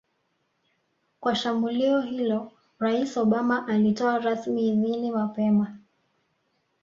kwa shambulio hilo Rais Obama alitoa rasmi idhini mapema